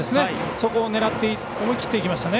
そこを狙って思い切っていきましたね。